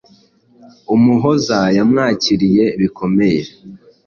Umuhoza yamwakiriye bikomeye